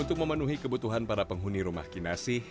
untuk memenuhi kebutuhan para penghuni rumah kinasi